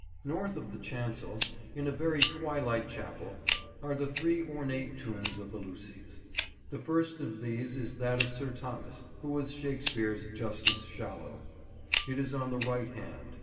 North of the chancel, in a very twilight chapel, are the three ornate tombs of the Lucys. The first of these is of that Sir Thomas who was Shakespeare's "Justice Shallow." It is on the right hand.